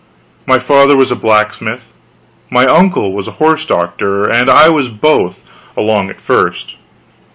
My father was a blacksmith, my uncle was a horse doctor, and I was both, along at first.